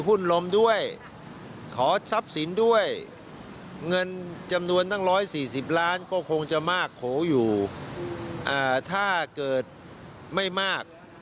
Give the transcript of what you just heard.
ลมด้วยขอทรัพย์สินด้วยเงินจำนวนตั้ง๑๔๐ล้านก็คงจะมากโขอยู่ถ้าเกิดไม่มาก